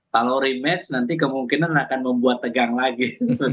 kalau remes nanti kemungkinan akan membuat tegang lagi